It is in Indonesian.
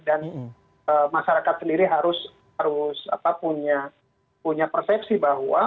dan masyarakat sendiri harus punya persepsi bahwa